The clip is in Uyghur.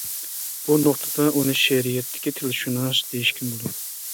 بۇ نۇقتىدا ئۇنى شېئىرىيەتتىكى تىلشۇناس دېيىشكىمۇ بولىدۇ.